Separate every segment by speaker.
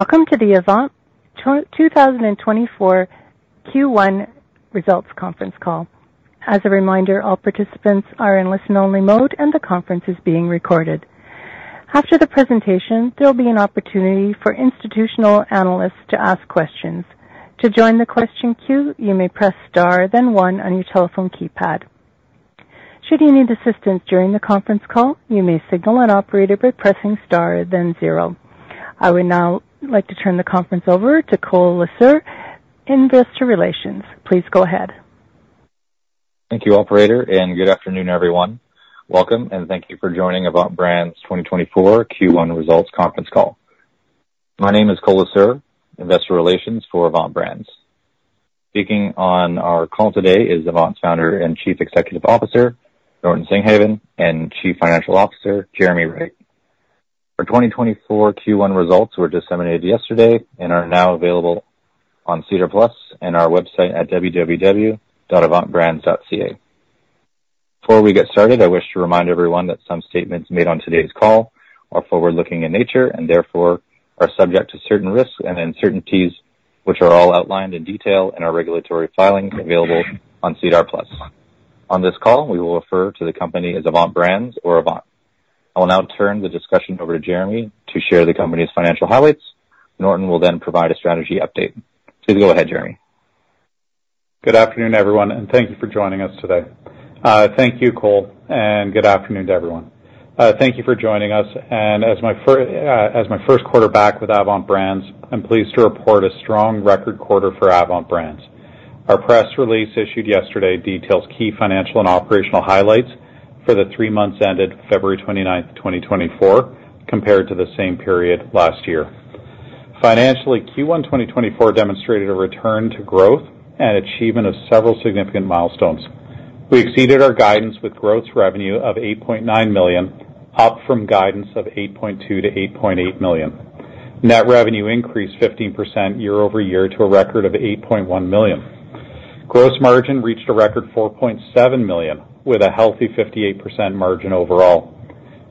Speaker 1: Welcome to the Avant Brands 2024 Q1 Results Conference call. As a reminder, all participants are in listen-only mode and the conference is being recorded. After the presentation, there'll be an opportunity for institutional analysts to ask questions. To join the question queue, you may press star then one on your telephone keypad. Should you need assistance during the conference call, you may signal an operator by pressing star then zero. I would now like to turn the conference over to Cole Lesueur, Investor Relations. Please go ahead.
Speaker 2: Thank you, operator, and good afternoon, everyone. Welcome, and thank you for joining Avant Brands 2024 Q1 Results Conference call. My name is Cole Lesueur, Investor Relations for Avant Brands. Speaking on our call today is Avant's founder and Chief Executive Officer, Norton Singhavon, and Chief Financial Officer, Jeremy Wright. Our 2024 Q1 results were disseminated yesterday and are now available on SEDAR+ and our website at www.avantbrands.ca. Before we get started, I wish to remind everyone that some statements made on today's call are forward-looking in nature and therefore are subject to certain risks and uncertainties which are all outlined in detail in our regulatory filings available on SEDAR+. On this call, we will refer to the company as Avant Brands or Avant. I will now turn the discussion over to Jeremy to share the company's financial highlights. Norton will then provide a strategy update. Please go ahead, Jeremy.
Speaker 3: Good afternoon, everyone, and thank you for joining us today. Thank you, Cole, and good afternoon to everyone. Thank you for joining us. As my first quarter with Avant Brands, I'm pleased to report a strong record quarter for Avant Brands. Our press release issued yesterday details key financial and operational highlights for the three months ended February 29, 2024, compared to the same period last year. Financially, Q1 2024 demonstrated a return to growth and achievement of several significant milestones. We exceeded our guidance with growth revenue of 8.9 million, up from guidance of 8.2 million-8.8 million. Net revenue increased 15% year-over-year to a record of 8.1 million. Gross margin reached a record 4.7 million with a healthy 58% margin overall.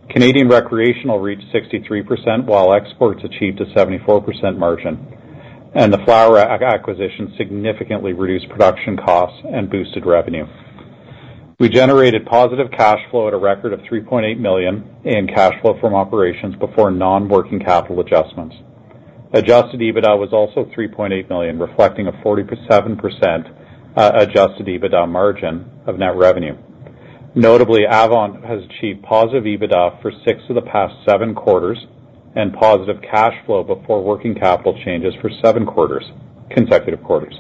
Speaker 3: Canadian recreational reached 63% while exports achieved a 74% margin, and the Flowr acquisition significantly reduced production costs and boosted revenue. We generated positive cash flow at a record of 3.8 million in cash flow from operations before non-working capital adjustments. Adjusted EBITDA was also 3.8 million, reflecting a 47% adjusted EBITDA margin of net revenue. Notably, Avant has achieved positive EBITDA for six of the past seven quarters and positive cash flow before working capital changes for seven consecutive quarters.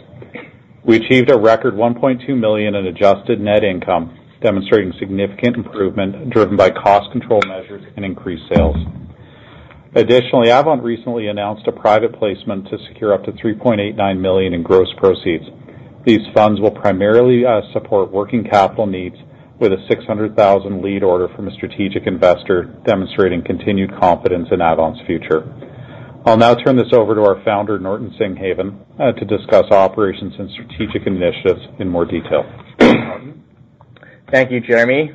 Speaker 3: We achieved a record CAD 1.2 million in adjusted net income, demonstrating significant improvement driven by cost control measures and increased sales. Additionally, Avant recently announced a private placement to secure up to 3.89 million in gross proceeds. These funds will primarily support working capital needs with a 600,000 lead order from a strategic investor, demonstrating continued confidence in Avant's future. I'll now turn this over to our founder, Norton Singhavon, to discuss operations and strategic initiatives in more detail.
Speaker 4: Thank you, Jeremy.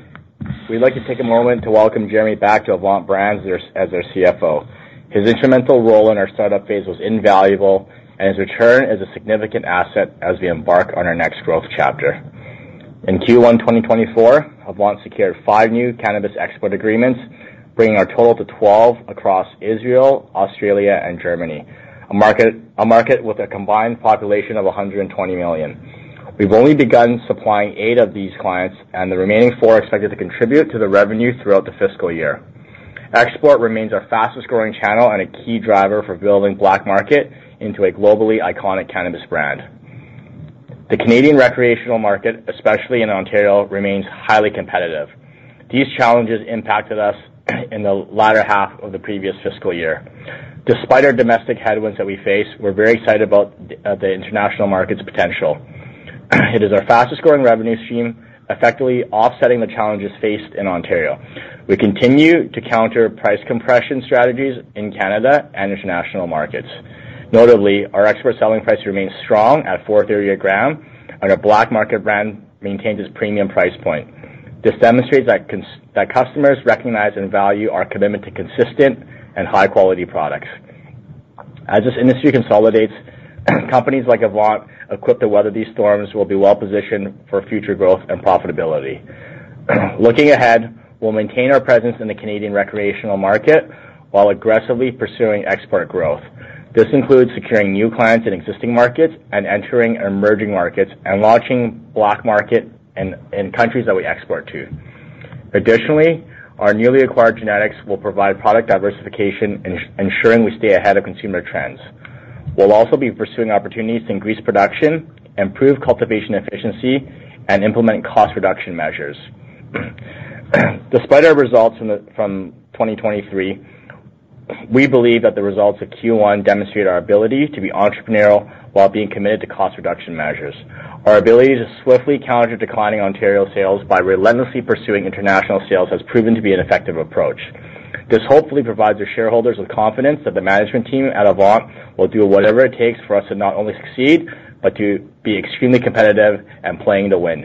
Speaker 4: We'd like to take a moment to welcome Jeremy back to Avant Brands as their CFO. His instrumental role in our startup phase was invaluable, and his return is a significant asset as we embark on our next growth chapter. In Q1 2024, Avant secured 5 new cannabis export agreements, bringing our total to 12 across Israel, Australia, and Germany, a market with a combined population of 120 million. We've only begun supplying 8 of these clients, and the remaining 4 are expected to contribute to the revenue throughout the fiscal year. Export remains our fastest-growing channel and a key driver for building BLK MKT into a globally iconic cannabis brand. The Canadian recreational market, especially in Ontario, remains highly competitive. These challenges impacted us in the latter half of the previous fiscal year. Despite our domestic headwinds that we face, we're very excited about the international market's potential. It is our fastest-growing revenue stream, effectively offsetting the challenges faced in Ontario. We continue to counter price compression strategies in Canada and international markets. Notably, our export selling price remains strong at 4.30 a gram, and our BLK MKT brand maintains its premium price point. This demonstrates that customers recognize and value our commitment to consistent and high-quality products. As this industry consolidates, companies like Avant equipped to weather these storms will be well-positioned for future growth and profitability. Looking ahead, we'll maintain our presence in the Canadian recreational market while aggressively pursuing export growth. This includes securing new clients in existing markets and entering emerging markets and launching BLK MKT in countries that we export to. Additionally, our newly acquired genetics will provide product diversification, ensuring we stay ahead of consumer trends. We'll also be pursuing opportunities to increase production, improve cultivation efficiency, and implement cost reduction measures. Despite our results from 2023, we believe that the results of Q1 demonstrate our ability to be entrepreneurial while being committed to cost reduction measures. Our ability to swiftly counter declining Ontario sales by relentlessly pursuing international sales has proven to be an effective approach. This hopefully provides our shareholders with confidence that the management team at Avant will do whatever it takes for us to not only succeed but to be extremely competitive and playing to win.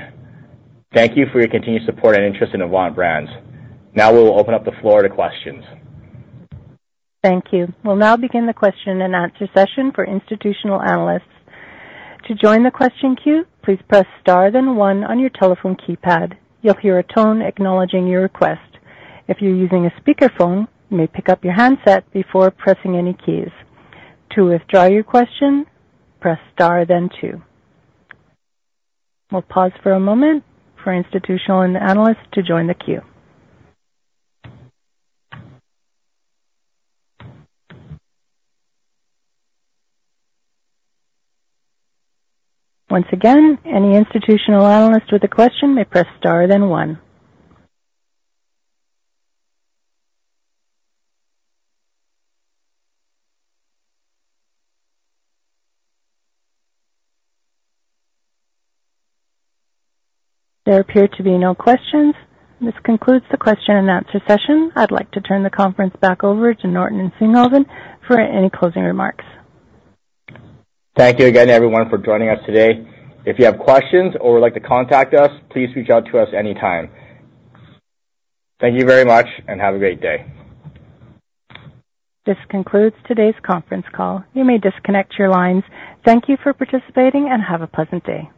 Speaker 4: Thank you for your continued support and interest in Avant Brands. Now we will open up the floor to questions.
Speaker 1: Thank you. We'll now begin the question and answer session for institutional analysts. To join the question queue, please press star then one on your telephone keypad. You'll hear a tone acknowledging your request. If you're using a speakerphone, you may pick up your handset before pressing any keys. To withdraw your question, press star then two. We'll pause for a moment for institutional analysts to join the queue. Once again, any institutional analyst with a question may press star then one. There appear to be no questions. This concludes the question and answer session. I'd like to turn the conference back over to Norton Singhavon for any closing remarks.
Speaker 4: Thank you again, everyone, for joining us today. If you have questions or would like to contact us, please reach out to us anytime. Thank you very much and have a great day.
Speaker 1: This concludes today's conference call. You may disconnect your lines. Thank you for participating and have a pleasant day.